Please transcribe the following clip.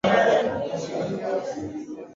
Akili imechoka